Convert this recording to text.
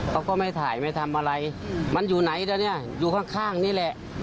เขาก็ไม่ถ่ายไม่ทำอะไรมันอยู่ไหนตอนนี้อยู่ข้างนี่แหละ